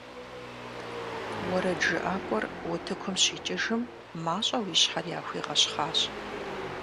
УэрэджыӀакӀуэр утыкум щикӏыжым, мащӀэу и щхьэр яхуигъэщхъащ.